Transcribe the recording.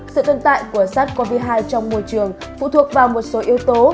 sự tồn tại của sars cov hai trong môi trường phụ thuộc vào một số yếu tố